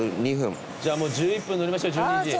じゃあもう１１分乗りましょう１２時。